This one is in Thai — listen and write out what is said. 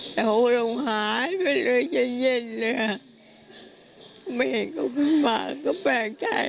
แต่โหลงหายไปเลยเย็นเย็นเลยอ่ะไม่เห็นเขาขึ้นมาก็แปลกใจ